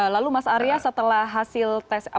lalu mas arya setelah hasil tes